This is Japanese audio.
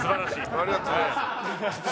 ありがとうございます。